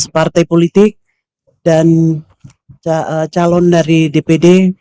tujuh belas partai politik dan calon dari dpd